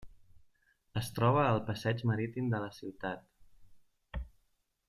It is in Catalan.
Es troba al passeig marítim de la ciutat.